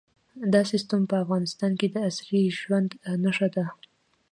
دا سیستم په افغانستان کې د عصري ژوند نښه ده.